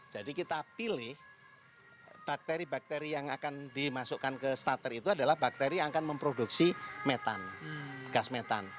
jadi kita pilih bakteri bakteri yang akan dimasukkan ke starter itu adalah bakteri yang akan memproduksi gas metan